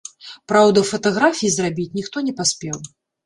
Праўда, фатаграфій зрабіць ніхто не паспеў.